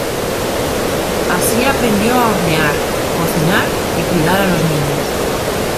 Así aprendió a hornear, cocinar y cuidar a los niños.